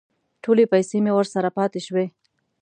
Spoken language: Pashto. ټولې پیسې مې ورسره پاتې شوې.